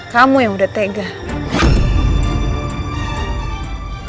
kamu yang udah bikin nama suami aku tuh jadi jelek